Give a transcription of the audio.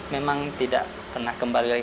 memang tidak pernah kembali lagi